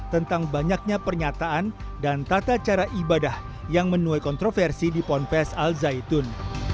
tentang banyaknya pernyataan dan tata cara ibadah yang menuai kontroversi di ponpes al zaitun